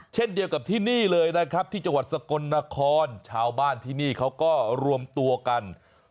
เช่นเดียวกับที่นี่เลยนะครับที่จังหวัดสกลนครชาวบ้านที่นี่เขาก็รวมตัวกัน